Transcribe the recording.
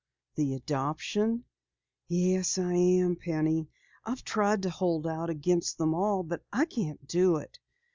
"The adoption? Yes, I am, Penny. I've tried to hold out against them all, but I can't do it.